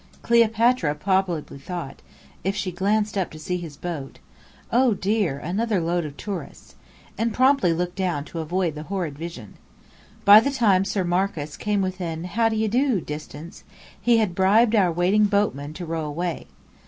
Cleopatra probably thought, if she glanced up to see his boat: "Oh dear, another load of tourists!" and promptly looked down to avoid the horrid vision. By the time Sir Marcus came within "How do you do?" distance, he had bribed our waiting boatmen to row away.